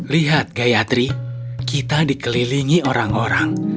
lihat gayatri kita dikelilingi orang orang